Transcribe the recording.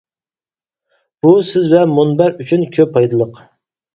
بۇ سىز ۋە مۇنبەر ئۈچۈن كۆپ پايدىلىق.